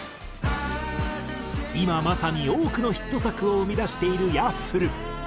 今まさに多くのヒット作を生み出しているＹａｆｆｌｅ。